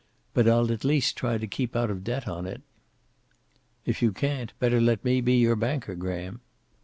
"But I'll at east try to keep out of debt on it." "If you can't, better let me be your banker, Graham."